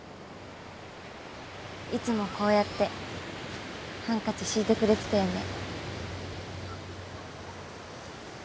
いつもこうやってハンカチ敷いてくれてたよね。